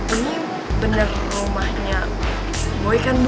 ini bener rumahnya boy kan bu